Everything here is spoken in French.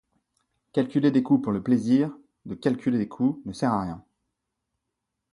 Calculer des coûts pour le plaisir de calculer des coûts ne sert à rien.